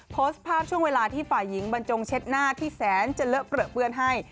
โพสต์ภาพช่วงเวลาที่ฝ่ายหญิงบรรจงเช็ดหน้าที่แสนจะเลอะเปลือเปื้อนให้